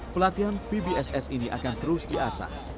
pelatihan vbss ini akan terus di asah